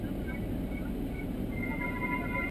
کشپ غوښتل جواب ورکړي په ښکنځلو !.